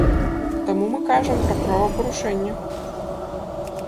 Таму мы кажам пра правапарушэнне.